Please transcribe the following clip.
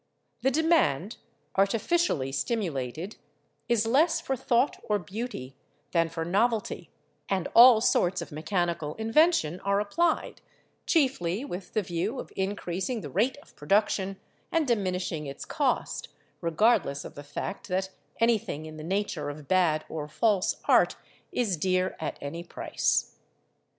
The demand, artificially stimulated, is less for thought or beauty than for novelty, and all sorts of mechanical invention are applied, chiefly with the view of increasing the rate of production and diminishing its cost, regardless of the fact that anything in the nature of bad or false art is dear at any price.